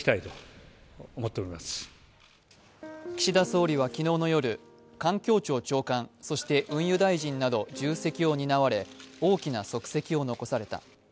岸田総理は昨日の夜、環境庁長官、そして運輸大臣など重責を担われ大きな足跡を残された。